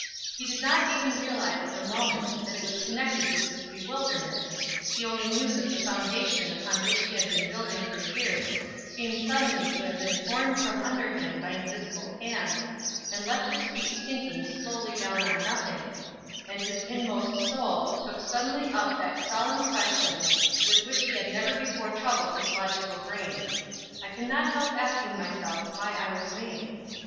He did not even realize at the moment that it was connected with this bewilderment, he only knew that the foundation upon which he had been building for years seemed suddenly to have been torn from under him by invisible hands, and left his feet sinking slowly down on nothing; and his inmost soul took suddenly up that solemn question with which he had never before troubled his logical brain: "I can not help asking myself why I was made?"